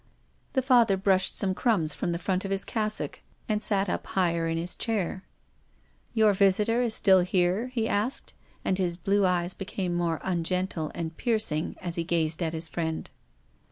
The Father brushed some crumbs from the front of his cassock and sat up higher in his chair. " Your visitor is still lierc ?" he asked, and his blue eyes became almost ungentle and piercing as he gazed at his friend.